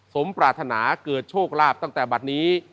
สมปรารถนาเกิดโชคลาภตั้งแต่บัตรนี้